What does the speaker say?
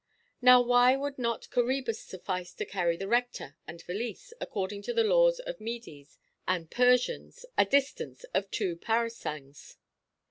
Now why would not Coræbus suffice to carry the rector and valise, according to the laws of the Medes and Persians, a distance of two parasangs?